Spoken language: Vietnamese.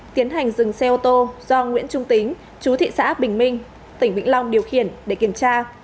tiến hành dừng xe ô tô do nguyễn trung tính chú thị xã bình minh tỉnh vĩnh long điều khiển để kiểm tra